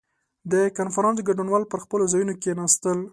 • د کنفرانس ګډونوال پر خپلو ځایونو کښېناستل.